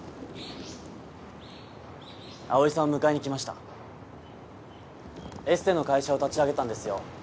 葵さんを迎えに来ましたエステの会社を立ち上げたんですよ